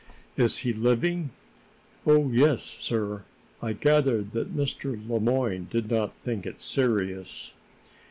"Is he living?" "Oh, yes, sir. I gathered that Mr. Le Moyne did not think it serious."